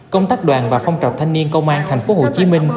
công tác đoàn và phong trào thanh niên công an tp hcm